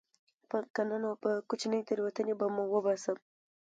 که نه نو په کوچنۍ تېروتنې به مو وباسم